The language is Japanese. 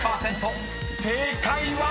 ［正解は⁉］